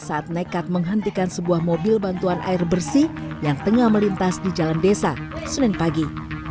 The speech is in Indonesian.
saat nekat menghentikan sebuah mobil bantuan air bersih yang tengah melintas di jalan desa senin pagi